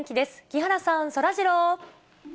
木原さん、そらジロー。